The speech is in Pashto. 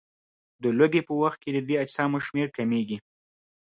د لوږې په وخت کې د دې اجسامو شمېر کمیږي.